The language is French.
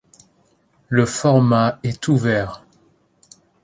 Le format est ouvert.